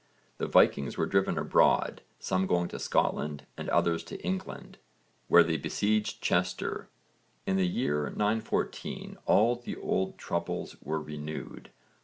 The Vikings were driven abroad, some going to Scotland and others to England, where they besieged Chester (v. supra, p. 57). In the year 914 all the old troubles were renewed.